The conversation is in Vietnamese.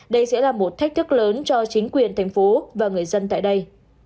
đây sẽ là một thách thức lớn cho chính quyền thành phố và người dân tại đây